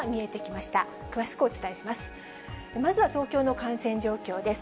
まずは東京の感染状況です。